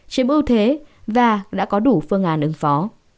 chiếm ưu thế và đã có đủ phương án ứng phó